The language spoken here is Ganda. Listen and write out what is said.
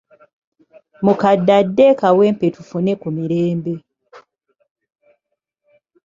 Mukadde adde e Kawempe tufune ku mirembe.